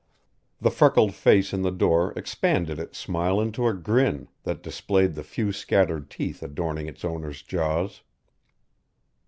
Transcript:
The freckled face in the door expanded its smile into a grin that displayed the few scattered teeth adorning its owner's jaws.